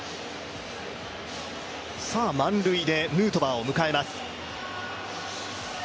満塁でヌートバーを迎えます。